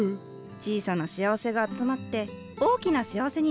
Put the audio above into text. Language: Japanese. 小さな幸せが集まって大きな幸せになるナン。